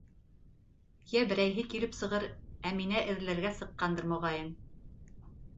Йә берәйһе килеп сығыр, Әминә эҙләргә сыҡҡандыр, моғайын.